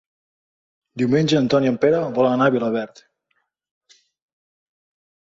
Diumenge en Ton i en Pere volen anar a Vilaverd.